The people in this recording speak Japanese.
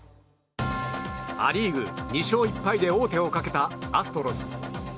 ア・リーグ、２勝１敗で王手をかけたアストロズ。